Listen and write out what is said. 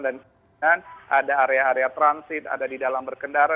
dan ada area area transit ada di dalam berkendara